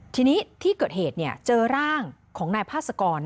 ทีนี้ที่เกิดเหตุเจอร่างของนายพาสกร